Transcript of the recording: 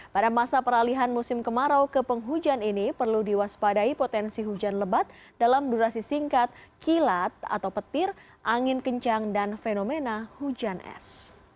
pada masa peralihan musim kemarau ke penghujan ini perlu diwaspadai potensi hujan lebat dalam durasi singkat kilat atau petir angin kencang dan fenomena hujan es